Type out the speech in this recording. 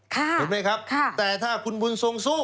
ถูกไหมครับแต่ถ้าคุณบุญทรงสู้